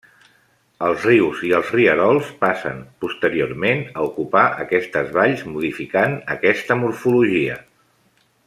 Els rius i els rierols passen, posteriorment, a ocupar aquestes valls, modificant aquesta morfologia.